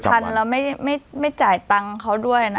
๘๐๐๐แล้วไม่จ่ายปัญหาเขาด้วยนะ